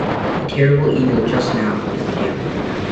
A terrible evil just now is the dew.